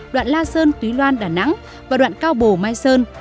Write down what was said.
đoạn la sơn túy loan đà nẵng và đoạn cao bồ mai sơn